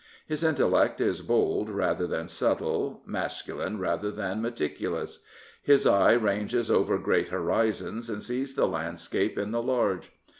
His intellect is bold rather than subtle, masculine rather than meticulous. His eye ranges over great horizons and sees the landscape in the large.